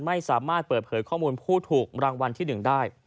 ไม่สามารถเปิดเผยข้อมูลผู้ถูกรางวัลที่๑ได้